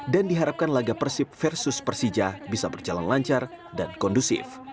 dan diharapkan laga persib versus persija bisa berjalan lancar dan kondusif